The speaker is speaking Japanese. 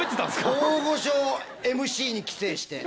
大御所ＭＣに寄生して。